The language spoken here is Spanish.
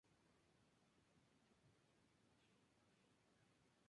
Irrigación superficial y profunda, ambas de las arterias temporales.